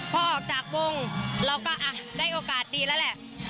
พอออกจากวงเราก็ได้โอกาสดีแล้วแหละ